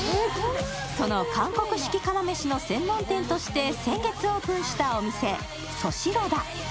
その韓国式釜飯の専門店として先月オープンしたお店、ソシロダ。